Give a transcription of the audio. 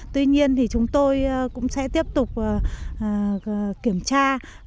tuy nhiên thì chúng tôi cũng sẽ tiếp tục kiểm tra